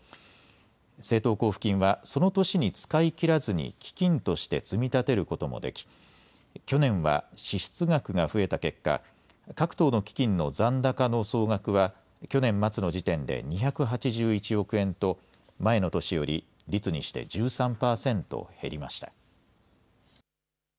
政党交付金はその年に使い切らずに基金として積み立てることもでき、去年は支出額が増えた結果、各党の基金の残高の総額は去年末の時点で２８１億円と、前の年より率にして１３％減りました。